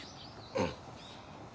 うん。